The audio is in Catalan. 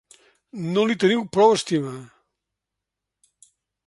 No li teniu prou estima.